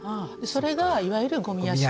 それがいわゆるゴミ屋敷。